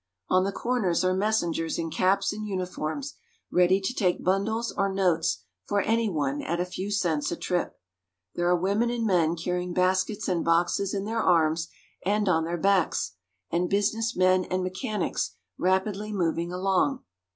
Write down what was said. On the corners are messengers in caps and uniforms, ready to take bundles or notes for any one at a few cents a trip. There are women and men carrying baskets and boxes in their arms and on their backs, and business men and mechanics rapidly moving along.